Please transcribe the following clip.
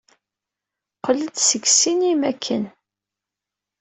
Qqlen-d seg ssinima akken.